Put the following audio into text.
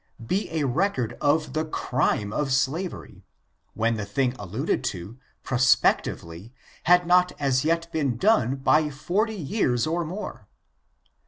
be a record of the crtTne of slavery, when the thing alluded to, prospectively, had not as yet been done by forty years or more.